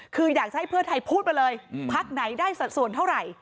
คืออยากจะให้เพื่อไทยพูดไปเลยพักไหนได้สัดส่วนเท่าไหร่